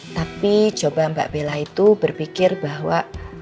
tapi coba mbak bela itu berpikir bahwa